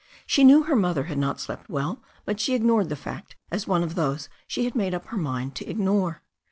She knew her mother had not slept well, but she ignored the fact as one of those she had made up her mind to ignore.